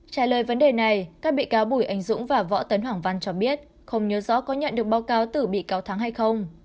trả lời vấn đề này các bị cáo bùi anh dũng và võ tấn hoàng văn cho biết không nhớ rõ có nhận được báo cáo từ bị cáo thắng hay không